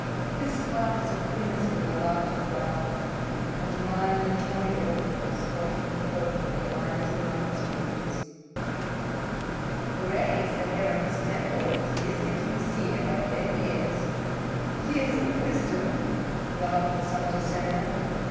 His heart is a crimson malati flower, and mine the tawny orchid spotted with purple that winds around its roots." "Gray is the hair on his temples. He is the king's senior by ten years." "Years of wisdom," laughed Vasantasena.